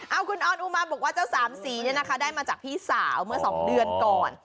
เอาคุณออนอุมาบอกว่าเจ้าสามสีได้มาจากพี่สาวเมื่อ๒เดือนก่อน